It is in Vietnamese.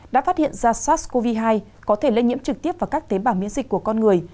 đã phát hiện ra sars cov hai có thể lây nhiễm trực tiếp vào các tế bào miễn dịch của con người